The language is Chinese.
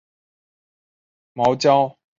茅焦因此事被尊为上卿。